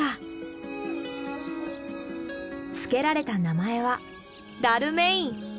付けられた名前は「ダルメイン」。